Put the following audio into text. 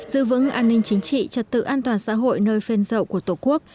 giữ vững an ninh chính trị trật tự an toàn xã hội nơi phên dậu của tổ quốc